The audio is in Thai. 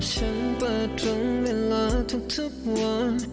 ฉันเปิดตรงเวลาทุกวัน